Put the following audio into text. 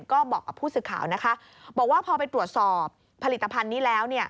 ก็บอกกับผู้สื่อข่าวนะคะบอกว่าพอไปตรวจสอบผลิตภัณฑ์นี้แล้ว